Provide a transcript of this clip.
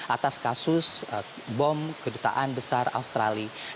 atas kasus bom kedutaan besar australia